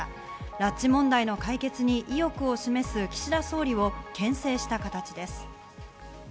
拉致問題の解決に意欲を示す岸田総理を牽制した形です。